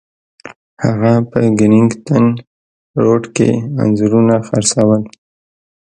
هغه په کینینګټن روډ کې انځورونه خرڅول.